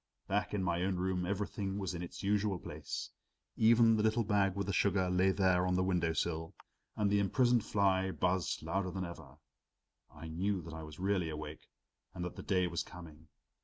Back in my own room everything was in its usual place. Even the little paper bag with the sugar lay there on the window sill, and the imprisoned fly buzzed louder than ever. I knew that I was really awake and that the day was coming.